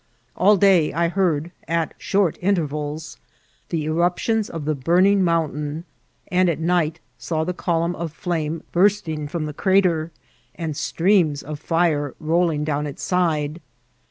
All day I heard at short intervals the eruptions of the burning mountain, and at night saw the column of flame bursting firom the crater, and streams of fire rolling down its side.